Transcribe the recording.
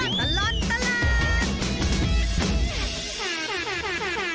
ช่วงตลอดตลอด